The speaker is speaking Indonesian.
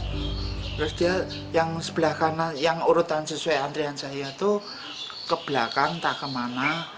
terus dia yang sebelah kanan yang urutan sesuai antrian saya itu ke belakang entah kemana